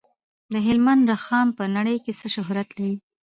د هلمند رخام په نړۍ کې څه شهرت لري؟